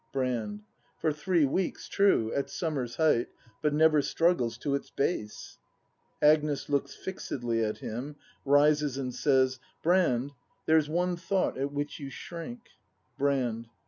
Brand. For three weeks, true, — at summer's height, — But never struggles to its base! Agnes. [Looks fixedly at him, rises and says:] Brand, there's one thought at which you shrink. Brand.